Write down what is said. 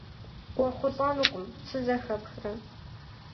КъыуэхъулӀэнукъым, сызэхэпхрэ?